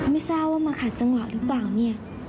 ไม่ทราบว่ามาขัดจังหวะหรือเปล่าเนี่ย